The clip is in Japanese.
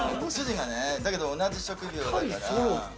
だけど同じ職業だから。